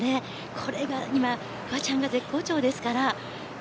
これが今、不破ちゃんが絶好調ですから。